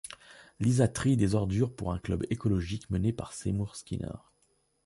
Lisa trie des ordures pour un club écologique mené par Seymour Skinner.